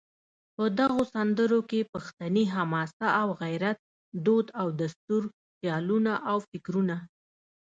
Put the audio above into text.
په دغو سندرو کې پښتني حماسه او غیرت، دود او دستور، خیالونه او فکرونه